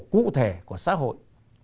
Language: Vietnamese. cụ thể của xã hội